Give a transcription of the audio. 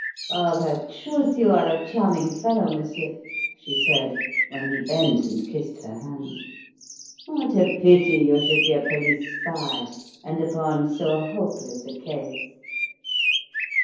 "Of a truth, you are a charming fellow, monsieur," she said, when he bent and kissed her hand. "What a pity you should be a police spy and upon so hopeless a case."